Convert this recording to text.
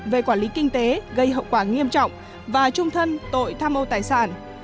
về quản lý kinh tế gây hậu quả nghiêm trọng và trung thân tội tham ô tài sản